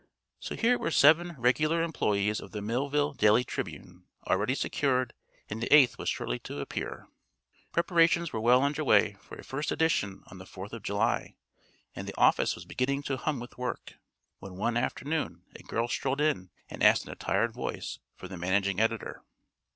So here were seven regular employees of the Millville Daily Tribune already secured and the eighth was shortly to appear. Preparations were well under way for a first edition on the Fourth of July and the office was beginning to hum with work, when one afternoon a girl strolled in and asked in a tired voice for the managing editor.